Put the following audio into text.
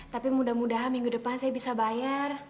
tapi mudah mudahan minggu depan saya bisa bayar